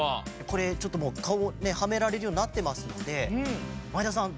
これちょっとかおはめられるようになってますので前田さん